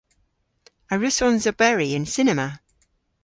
A wrussons i oberi yn cinema?